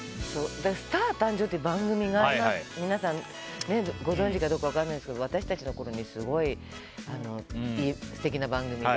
「スター誕生！」って番組が皆さん、ご存じかどうか分からないですけど私たちのころにすごい素敵な番組で。